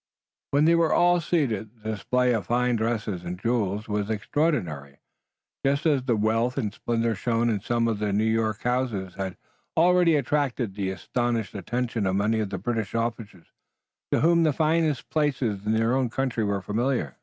When they were all seated, the display of fine dress and jewels was extraordinary, just as the wealth and splendor shown in some of the New York houses had already attracted the astonished attention of many of the British officers, to whom the finest places in their own country were familiar.